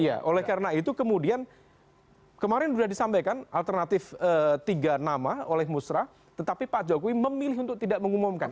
iya oleh karena itu kemudian kemarin sudah disampaikan alternatif tiga nama oleh musrah tetapi pak jokowi memilih untuk tidak mengumumkan